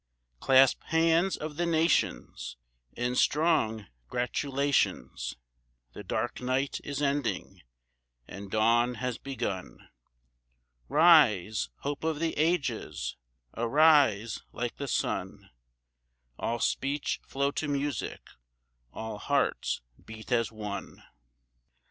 Clasp hands of the nations In strong gratulations: The dark night is ending and dawn has begun; Rise, hope of the ages, arise like the sun, All speech flow to music, all hearts beat as one!